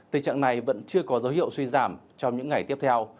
tình trạng này vẫn chưa có dấu hiệu suy giảm trong những ngày tiếp theo